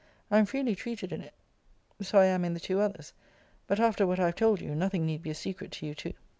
I am freely treated in it; so I am in the two others: but after what I have told you, nothing need be a secret to you two.